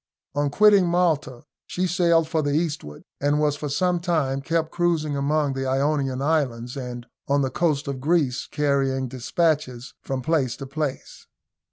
On quitting Malta she sailed for the eastward, and was for some time kept cruising among the Ionian Islands, and on the coast of Greece, carrying despatches from place to place.